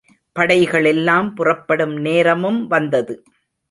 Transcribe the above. படைகளெல்லாம் புறப்படும் நேரமும் வந்தது.